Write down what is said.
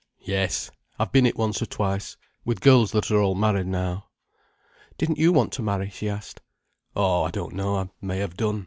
"Yes, I've been it once or twice—with girls that are all married now." "Didn't you want to marry?" she asked. "Oh, I don't know. I may have done.